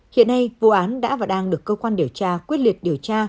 hiện nay vụ án đã và đang được cơ quan điều tra quyết liệt điều tra